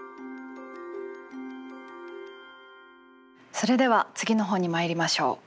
それでは次の本にまいりましょう。